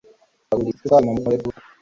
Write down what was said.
Bagurisha isukari numunyu muri iryo duka